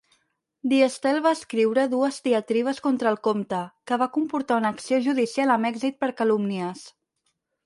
Diestel va escriure dues diatribes contra el comte, que van comportar una acció judicial amb èxit per calúmnies.